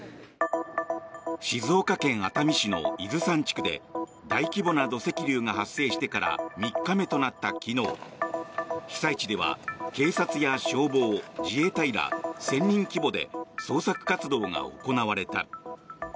静岡県熱海市の伊豆山地区で大規模な土石流が発生してから３日目となった昨日被災地では警察や消防、自衛隊ら１０００人規模で捜索活動が行われた。